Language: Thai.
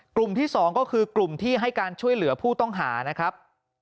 กลุ่มที่๒ก็คือกลุ่มที่ให้การช่วยเหลือผู้ต้องหานะครับ